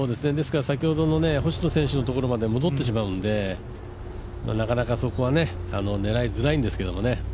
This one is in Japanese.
先ほどの星野選手のところまで戻ってしまうので、なかなか、そこは狙いづらいんですけどもね。